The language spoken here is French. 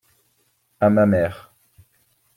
À ma mère.